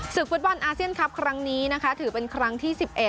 ฟุตบอลอาเซียนคลับครั้งนี้นะคะถือเป็นครั้งที่๑๑